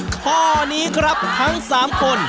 ข้อนี้ครับทั้ง๓คน